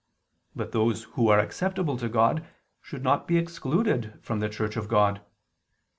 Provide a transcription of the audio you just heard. But those who are acceptable to God should not be excluded from the Church of God.